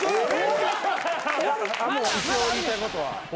一応言いたいことは。